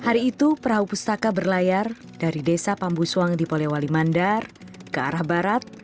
hari itu perahu pustaka berlayar dari desa pambusuang di polewali mandar ke arah barat